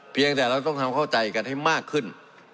เพียงแต่เราต้องทำเข้าใจกันให้มากขึ้น